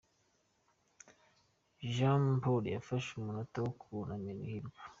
Jamporo yafashe umunota wo kunamira Hirwa